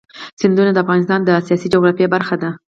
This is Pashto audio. سیندونه د افغانستان د سیاسي جغرافیه برخه ده.